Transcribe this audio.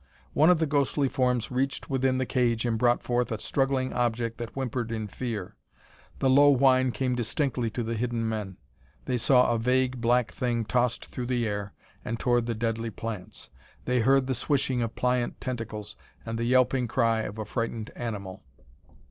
One of the ghostly forms reached within the cage and brought forth a struggling object that whimpered in fear. The low whine came distinctly to the hidden men. They saw a vague black thing tossed through the air and toward the deadly plants; they heard the swishing of pliant tentacles and the yelping cry of a frightened animal.